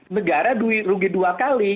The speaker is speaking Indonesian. negara rugi dua kali